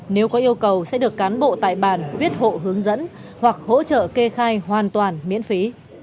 nếu có yêu cầu sẽ được cán bộ tại bàn viết hộ hướng dẫn hoặc hỗ trợ kê khai hoàn toàn miễn phí